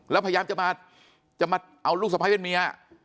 แล้วพยายามจะมาเอาลูกสะพ้ายเป็นเมีย